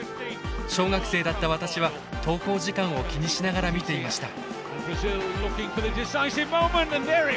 小学生だった私は登校時間を気にしながら見ていました。